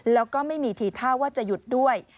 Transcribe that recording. แล้วก็ไม่มีทีท่าว่าจะหยุดด้วย